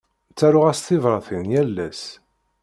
Ttaruɣ-as tibratin yal ass.